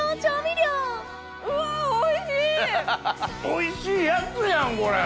おいしいやつやんこれ！